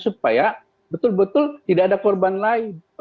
supaya betul betul tidak ada korban lain